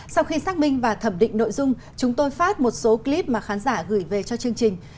sau khi xác minh và thẩm định nội dung chúng tôi phát một số clip mà khán giả gửi về cho chương trình